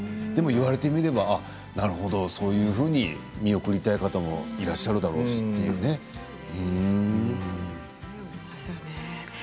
言われてみればそういうふうに見送りたい方もいらっしゃるだろうしということですよね。